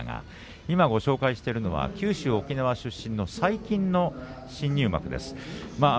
今、ご紹介してるのは九州、沖縄出身の最近の新入幕力士です。